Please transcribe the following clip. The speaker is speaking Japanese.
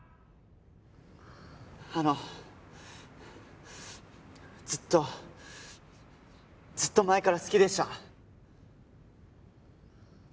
あのずっとずっと前から好きでした。